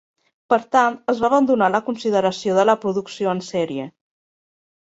Per tant, es va abandonar la consideració de la producció en sèrie.